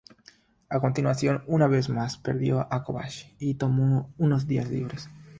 A continuación, una vez más perdió a Kobashi y tomó unos días libres.